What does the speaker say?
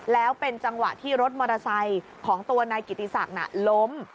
แล้วเป็นจังหวะที่รถมอเตอร์ไซค์ของตัวนายกิติศักดิ์ล้ม